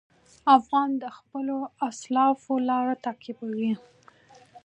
افغان د خپلو اسلافو لار تعقیبوي.